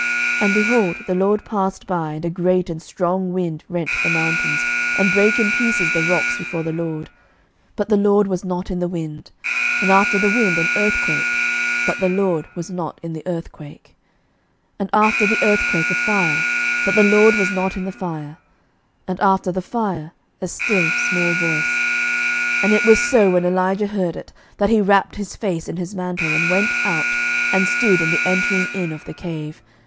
And, behold, the LORD passed by, and a great and strong wind rent the mountains, and brake in pieces the rocks before the LORD; but the LORD was not in the wind: and after the wind an earthquake; but the LORD was not in the earthquake: 11:019:012 And after the earthquake a fire; but the LORD was not in the fire: and after the fire a still small voice. 11:019:013 And it was so, when Elijah heard it, that he wrapped his face in his mantle, and went out, and stood in the entering in of the cave.